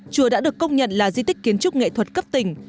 chùa đã được công nhận là di tích kiến trúc nghệ thuật cấp tỉnh